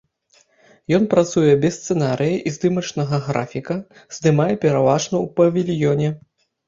Ён працуе без сцэнарыя і здымачнага графіка, здымае пераважна ў павільёне.